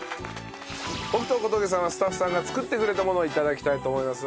僕と小峠さんはスタッフさんが作ってくれたものを頂きたいと思います。